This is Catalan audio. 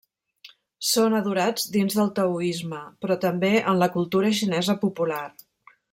Són adorats dins del taoisme, però també en la cultura xinesa popular.